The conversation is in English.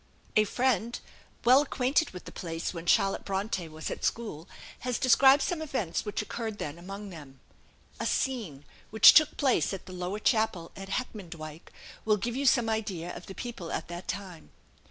A friend, well acquainted with the place when Charlotte Bronte was at school, has described some events which occurred then among them: "A scene, which took place at the Lower Chapel at Heckmondwike, will give you some idea of the people at that time.